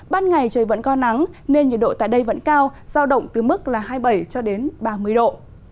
ban ngày trời vẫn có nắng nên nhiệt độ tại đây vẫn cao giao động từ mức hai mươi bảy ba mươi độ